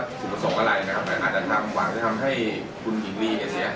สิ่งประสงค์อะไรอาจจะทำให้คุณหญิงรีเสียหาย